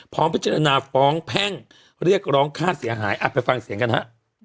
พร้อมพิจารณาฟ้องแพ่งเรียกร้องค่าเสียหายไปฟังเสียงกันฮะ